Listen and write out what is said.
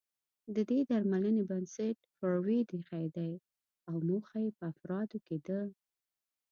د دې درملنې بنسټ فرویډ اېښی دی او موخه يې په افرادو کې د